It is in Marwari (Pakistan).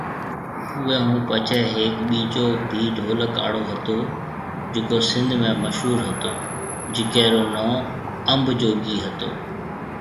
اوئي ھونپڇي ھيَََڪ ٻيجو بِي ڍولڪ آڙو ھتو جڪو سنڌ ۾ مشھور ھتو جڪي رو نون انب جوگي ھتو